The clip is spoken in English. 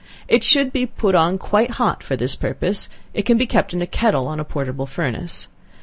It should be put on quite hot; for this purpose, it can be kept in a kettle on a portable furnace.